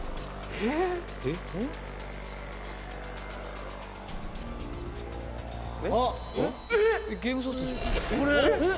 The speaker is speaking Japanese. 「えっ！」